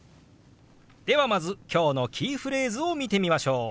ではまず今日のキーフレーズを見てみましょう。